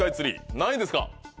何位ですか？